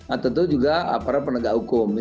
atau itu juga aparat penegak hukum